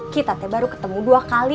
kita baru ketemu dua kali